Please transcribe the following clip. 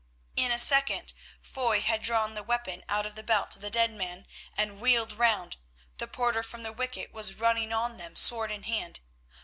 In a second Foy had drawn the weapon out of the belt of the dead man, and wheeled round. The porter from the wicket was running on them sword in hand.